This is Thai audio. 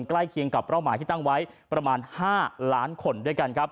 ใกล้เคียงกับเป้าหมายที่ตั้งไว้ประมาณ๕ล้านคนด้วยกันครับ